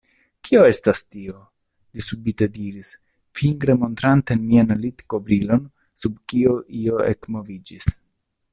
Kio estas tio? li subite diris, fingre montrante mian litkovrilon sub kio io ekmoviĝis.